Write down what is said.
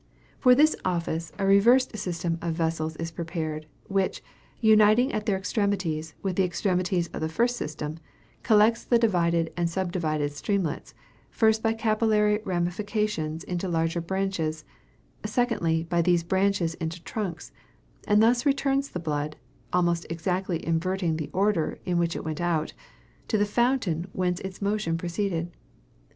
For this office, a reversed system of vessels is prepared, which, uniting at their extremities with the extremities of the first system, collects the divided and subdivided streamlets, first by capillary ramifications into larger branches, secondly by these branches into trunks; and thus returns the blood (almost exactly inverting the order in which it went out) to the fountain whence its motion proceeded.